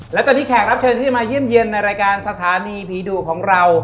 และตอนนี้แขกรับเชิญที่จะมาเยี่ยมเยี่ยมในรายการสถานีผีดุของเรา